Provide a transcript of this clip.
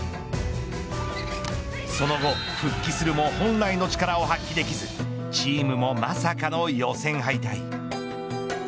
その後復帰するも本来の力を発揮できずチームもまさかの予選敗退。